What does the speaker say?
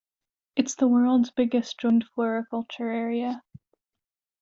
It's the world's biggest joined floriculture area.